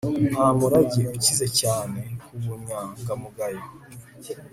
nta murage ukize cyane nk'ubunyangamugayo